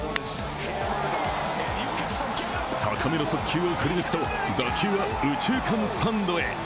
高めの速球を振り抜くと打球は右中間スタンドへ。